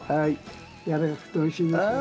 やわらかくて、おいしいですよ。